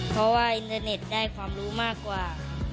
เพราะว่าอินเทอร์เน็ตได้ความรู้มากกว่า